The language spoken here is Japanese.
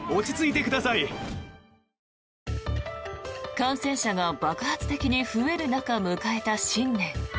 感染者が爆発的に増える中迎えた新年。